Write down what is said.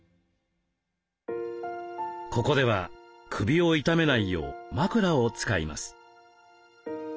ここでは首を痛めないよう枕を使います。